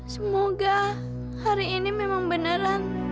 semoga hari ini memang beneran